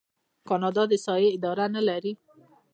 کاناډا د احصایې اداره لري.